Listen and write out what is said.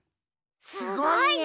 すごいね！